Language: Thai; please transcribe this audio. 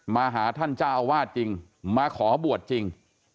มาหาท่านเจ้าอาวาสจริงมาขอบวชจริง